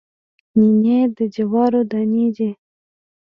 نینې د جوارو دانې دي